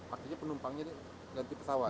artinya penumpangnya ganti pesawat